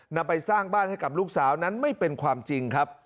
นำไปสร้างบ้านให้กับลูกสาวนั้นไม่เป็นความจริงครับ